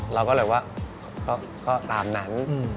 เราก็เลยว่าก็ตามนั้น